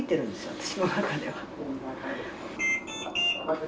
私の中では。